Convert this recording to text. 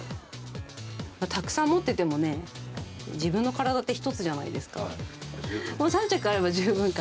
たくさん持っててもね、自分の体って１つじゃないですか。